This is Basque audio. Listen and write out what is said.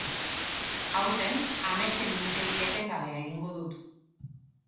Aurten ametsen mintegi etengabea egingo dut.